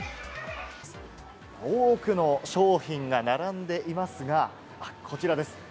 多くの商品が並んでいますが、こちらです。